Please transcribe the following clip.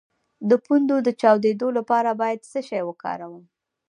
د پوندو د چاودیدو لپاره باید څه شی وکاروم؟